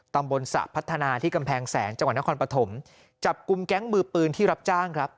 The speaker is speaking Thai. ตำบลสระพัฒนาที่กำแพงแสนจังหวัดนครปฐมจับกลุ่มแก๊งมือปืนที่รับจ้างครับ